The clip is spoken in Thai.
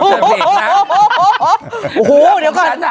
โอ้โหเดี๋ยวก่อนพี่๓๖๖ค่ะ